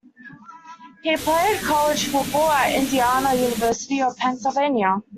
He played college football at Indiana University of Pennsylvania.